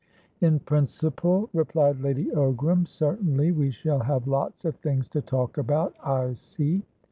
"In principle," replied Lady Ogram, "certainly. We shall have lots of things to talk about, I see."